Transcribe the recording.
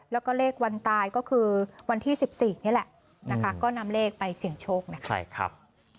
แล้วก็เลขวันตายก็คือวันที่๑๔นี่แหละนะคะก็นำเลขไปเสี่ยงโชคนะคะ